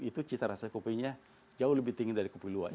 itu cita rasa kopinya jauh lebih tinggi dari kopi luwak